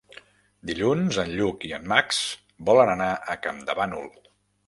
Dilluns en Lluc i en Max volen anar a Campdevànol.